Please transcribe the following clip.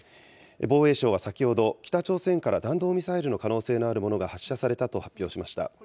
防衛省は先ほど、北朝鮮から弾道ミサイルの可能性があるものが発射されたと発表しました。